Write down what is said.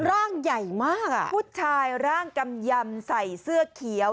ร่างใหญ่มากอ่ะผู้ชายร่างกำยำใส่เสื้อเขียว